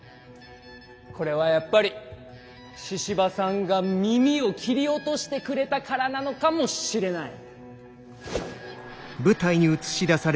これはやっぱり神々さんが耳を切り落としてくれたからなのかもしれない。